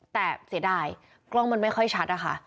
แต่เสียดายกล้องมันไม่ค่อยชัดอะค่ะ